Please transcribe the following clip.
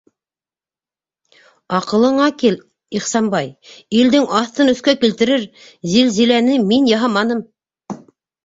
Аҡылыңа кил, Ихсанбай: илдең аҫтын-өҫкә килтерер зилзиләне мин яһаманым!